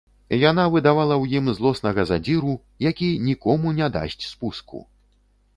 Яна выдавала ў ім злоснага задзіру, які нікому не дасць спуску.